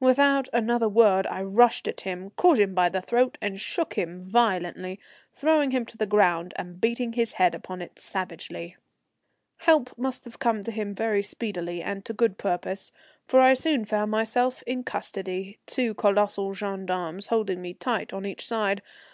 Without another word I rushed at him, caught him by the throat, and shook him violently, throwing him to the ground and beating his head upon it savagely. Help must have come to him very speedily and to good purpose, for I soon found myself in custody, two colossal gendarmes holding me tight on each side.